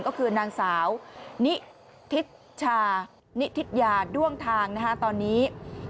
ก็คือนางสาวนิทิชชานิทิยาด้วงทางตอนนี้